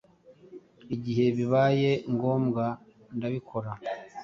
igihe bibaye ngombwa ndabikora